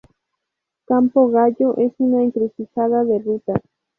Campo Gallo es una encrucijada de rutas.